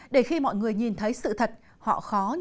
để khi mọi người nhìn thấy sự thật họ khó nhận ra hơn